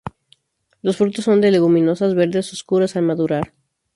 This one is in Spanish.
Los frutos son de leguminosas, verdes oscuros al madurar.